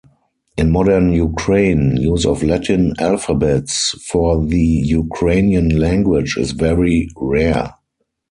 In modern Ukraine, use of Latin alphabets for the Ukrainian language is very rare.